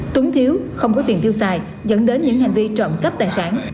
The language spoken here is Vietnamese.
tuấn thiếu không có tiền thiêu xài dẫn đến những hành vi trộm cấp tài sản